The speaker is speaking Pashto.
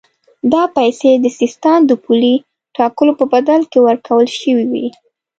دا پیسې د سیستان د پولې ټاکلو په بدل کې ورکول شوې وې.